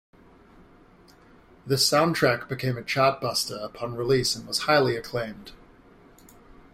The soundtrack became a chartbuster upon release and was highly acclaimed.